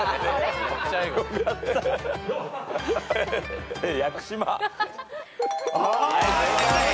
はい正解。